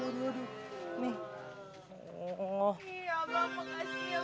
nih abang makasih ya